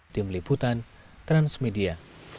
tim liputan transmedia